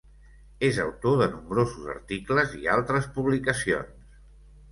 És autor de nombrosos articles i altres publicacions.